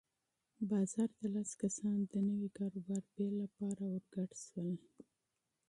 بازار ته لس کسان د نوي کاروبار لپاره داخل شول.